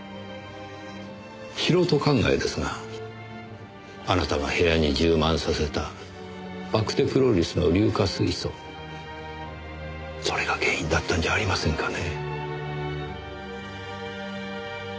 素人考えですがあなたが部屋に充満させたバクテクロリスの硫化水素それが原因だったんじゃありませんかね。